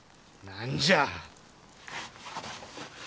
何じゃ。